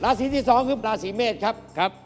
สีที่๒คือราศีเมษครับ